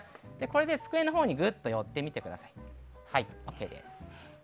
これで机のほうにぐっと寄ってみてください。